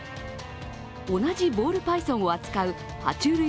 同じボールパイソンを扱うは虫類